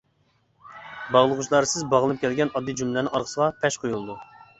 باغلىغۇچىلارسىز باغلىنىپ كەلگەن ئاددىي جۈملىلەرنىڭ ئارىسىغا پەش قويۇلىدۇ.